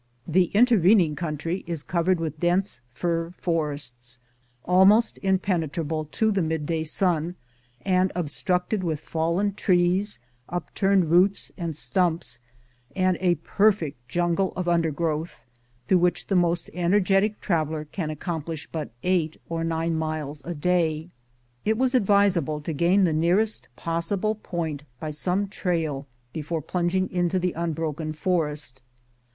The inter vening country is covered with dense fir forests, almost impenetrable to the midday sun, and obstructed with fallen trees, upturned roots and stumps, and a perfect jungle of undergrowth, through which the most ener getic traveler can accomplish but eight or nine miles a day. It was advisible to gain the nearest possible point 96 FIRST SUCCESSFUL ASCENT. 1870 by some trail, before plunging into the unbroken forest.